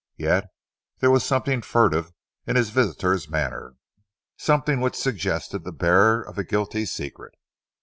Yet there was something furtive in his visitor's manner, something which suggested the bearer of a guilty secret.